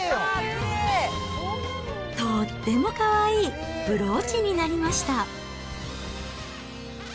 とってもかわいいブローチになりました。